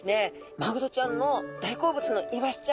マグロちゃんの大好物のイワシちゃん